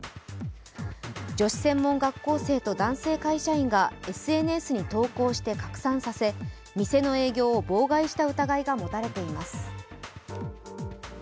女子専門学校生と男性会社員がＳＮＳに投稿して拡散させ、店の営業を妨害した疑いが持たれています。